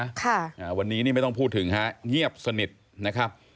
ค่ะอ่าวันนี้นี่ไม่ต้องพูดถึงฮะเงียบสนิทนะครับ